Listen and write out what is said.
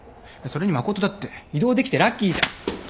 それに真琴だって異動できてラッキーじゃ。